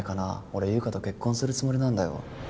俺優香と結婚するつもりなんだよ。